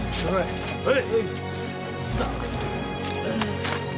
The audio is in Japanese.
・はい。